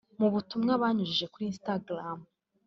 Mu butumwa banyujije kuri Instagram